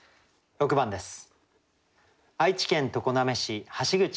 ６番です。